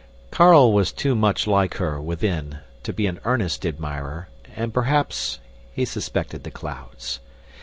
Carl was too much like her, within, to be an earnest admirer, and perhaps he suspected the clouds.